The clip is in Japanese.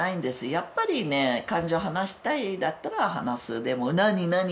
やっぱりね彼女話したいだったら話すでも「なになに？」